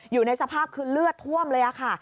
อยู่ในสภาพคือเลือดท่วมเลยค่ะ